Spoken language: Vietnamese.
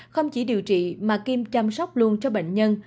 không chỉ điều trị mà kim chăm sóc luôn cho bệnh nhân